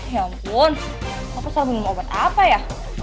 ya ampun aku selalu minum obat apa ya